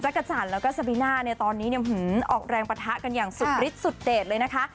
จักรจันแล้วก็สะพิน่าเนี่ยตอนนี้เนี่ยหืมออกแรงประทะกันอย่างสุดริดสุดเดทเลยนะคะ